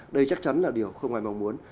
đây chắc chắn là điều không ai mong muốn